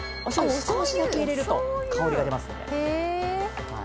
少しだけ入れると香りが出ますので。